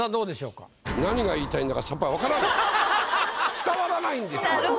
伝わらないんですよ。